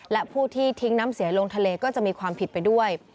และผู้ที่ทิ้งน้ำเสียลงทะเลก็จะมีความผิดไปด้วย